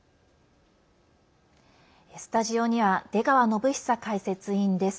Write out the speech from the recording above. スタジオには出川展恒解説委員です。